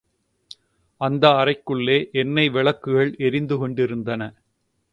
அந்த அறைகளுக்குள்ளே எண்ணெய் விளக்குகள் எரிந்து கொண்டிருந்தன.